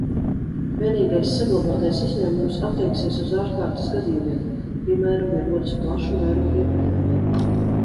Vienīgais saglabātais izņēmums attieksies uz ārkārtas gadījumiem, piemēram, ja rodas plaša mēroga epidēmija.